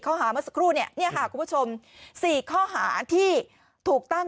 เมื่อสักครู่เนี่ยค่ะคุณผู้ชม๔ข้อหาที่ถูกตั้ง